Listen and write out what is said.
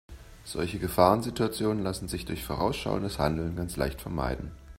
Solche Gefahrensituationen lassen sich durch vorausschauendes Handeln ganz leicht vermeiden.